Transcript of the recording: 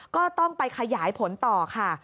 ก็ต้องไปขยายผลต่อค่ะ